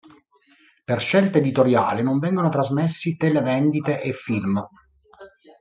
Per scelta editoriale non vengono trasmessi televendite e film.